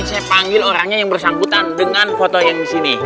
saya panggil orangnya yang bersangkutan dengan foto yang di sini